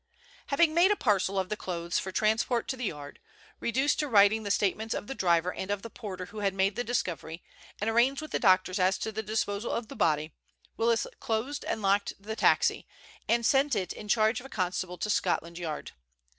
Having made a parcel of the clothes for transport to the Yard, reduced to writing the statements of the driver and of the porter who had made the discovery, and arranged with the doctors as to the disposal of the body, Willis closed and locked the taxi, and sent it in charge of a constable to Scotland Yard.